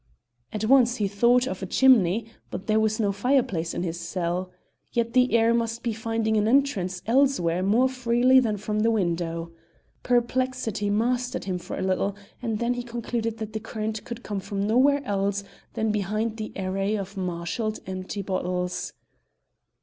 At once he thought of a chimney, but there was no fireplace in his cell. Yet the air must be finding entrance elsewhere more freely than from the window. Perplexity mastered him for a little, and then he concluded that the current could come from nowhere else than behind the array of marshalled empty bottles.